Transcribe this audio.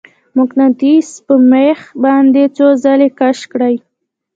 مقناطیس په میخ باندې څو ځلې کش کړئ.